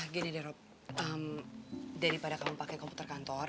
gini deh daripada kamu pakai komputer kantor